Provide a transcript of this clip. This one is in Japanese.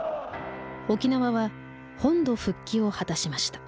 沖縄は本土復帰を果たしました。